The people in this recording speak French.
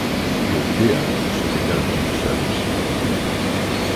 Le théâtre sert également de salle de cinéma.